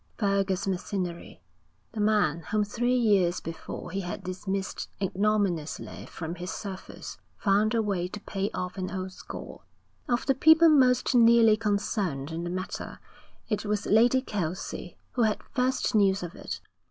Fergus Macinnery, the man whom three years before he had dismissed ignominiously from his service, found a way to pay off an old score. Of the people most nearly concerned in the matter, it was Lady Kelsey who had first news of it.